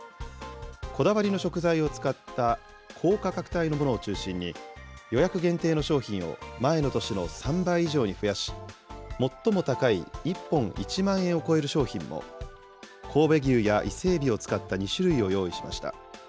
こだわりの食材を使った高価格帯のものを中心に、予約限定の商品を前の年の３倍以上に増やし、最も高い１本１万円を超える商品も、神戸牛や伊勢エビを使った２種類を用意しました。